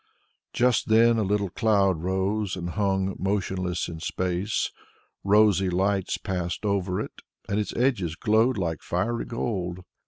Just then a little cloud rose and hung motionless in space; rosy lights passed over it and its edges glowed like fiery gold.